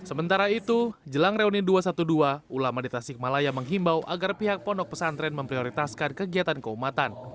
sementara itu jelang reuni dua ratus dua belas ulama di tasikmalaya menghimbau agar pihak pondok pesantren memprioritaskan kegiatan keumatan